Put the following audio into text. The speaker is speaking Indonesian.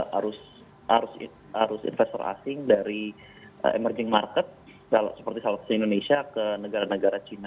harus investor asing dari emerging market seperti salah satu indonesia ke negara negara cina